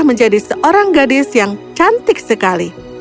menjadi seorang gadis yang cantik sekali